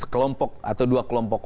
kelompok atau dua kelompok